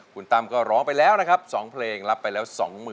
คุณตั้มก็ร้องไปแล้ว